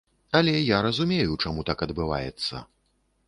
Але я разумею, чаму так адбываецца.